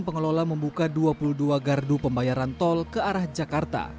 pengelola membuka dua puluh dua gardu pembayaran tol ke arah jakarta